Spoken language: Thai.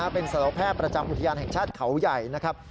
เป็นสารแพทย์ประจำอุทยานแห่งชาติเขาใหญ่นะครับ